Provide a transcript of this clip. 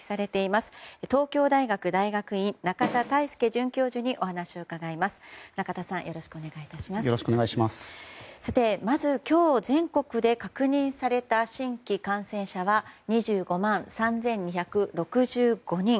まず、今日全国で確認された新規感染者は２５万３２６５人。